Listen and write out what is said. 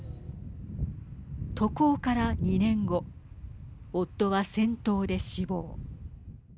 渡航から２年後夫は戦闘で死亡。